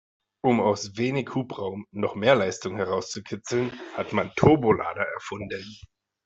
Um aus wenig Hubraum noch mehr Leistung herauszukitzeln, hat man Turbolader erfunden.